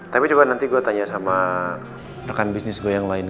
tapi coba nanti gue tanya sama rekan bisnis gue yang lain